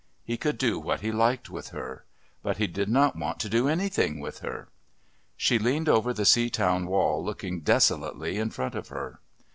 He could do what he liked with her. But he did not want to do anything with her. She leaned over the Seatown wall looking desolately in front of her.